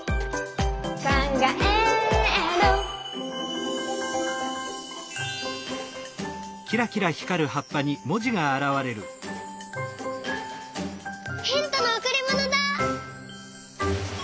「かんがえる」ヒントのおくりものだ。